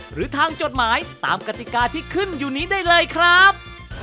หรือทางจดหมายตามกติกาที่ขึ้นอยู่นี้ได้เลยครับ